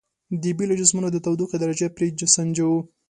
د بیلو جسمونو د تودوخې درجه پرې سنجوو.